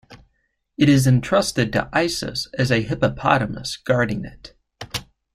It is entrusted to Isis as a hippopotamus guarding it.